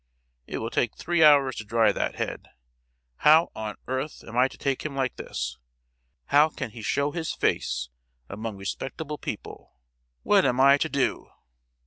it will take three hours to dry that head! How on earth am I to take him like this? How can he show his face among respectable people? What am I to do?"